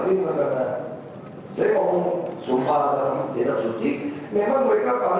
dengan tidak diingatkan